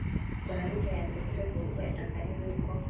Mbonabucya yanditse kuri facebook ko yatandukanye n’uyu mukobwa